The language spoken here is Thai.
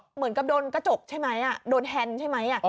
เหมือนกับโดนกระจกใช่ไหมโดนแฮนด์ใช่ไหม